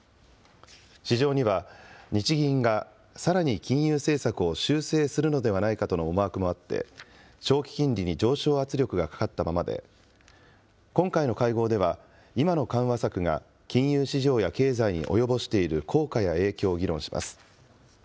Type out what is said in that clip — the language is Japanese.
市場には、日銀がさらに金融政策を修正するのではないかとの思惑もあって、長期金利に上昇圧力がかかったままで、今回の会合では、今の緩和策が金融市場や経済に及ぼしている効果や影響を議論します。